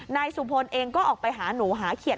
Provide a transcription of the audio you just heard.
นายสุพลเองก็ออกไปหาหนูหาเขียด